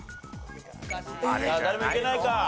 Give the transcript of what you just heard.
誰もいけないか。